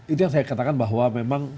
itu yang saya katakan bahwa memang